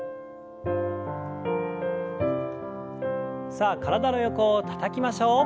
さあ体の横をたたきましょう。